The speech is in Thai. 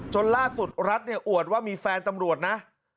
ล่าสุดรัฐเนี่ยอวดว่ามีแฟนตำรวจนะ